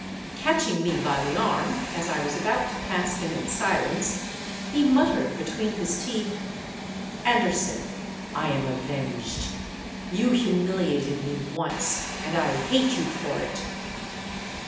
Catching me by the arm, as I was about to pass him in silence, he muttered between his teeth, 'Anderson, I am avenged. You humiliated me once; and I hate you for it!